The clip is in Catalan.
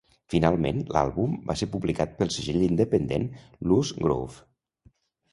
Finalment, l'àlbum va ser publicat pel segell independent Loose Groove.